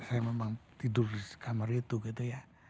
saya memang tidur di kamar itu gitu ya